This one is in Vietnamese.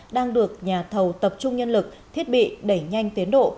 đang được nhà thầu tập trung nhân lực thiết bị đẩy nhanh tiến độ